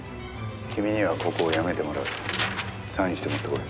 「君にはここを辞めてもらう」「サインして持ってこい。